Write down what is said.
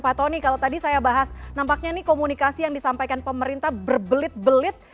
pak tony kalau tadi saya bahas nampaknya ini komunikasi yang disampaikan pemerintah berbelit belit